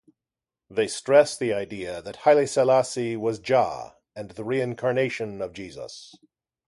They stress the idea that Haile Selassie was Jah and the reincarnation of Jesus.